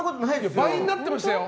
倍になってましたよ。